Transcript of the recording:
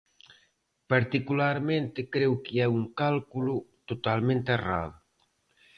Particularmente creo que é un cálculo totalmente errado.